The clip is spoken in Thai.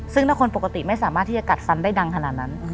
ซึ่งถ้าคนปกติไม่สามารถที่จะกัดฟันได้ดังขนาดนั้น